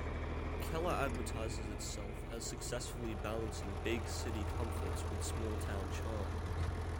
Keller advertises itself as successfully balancing big-city comforts with small-town charm.